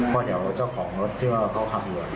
พอเดี๋ยวเจ้าของรถที่ว่าเขาคำรวจ